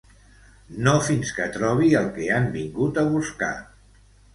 No fins que trobi el que han vingut a buscar.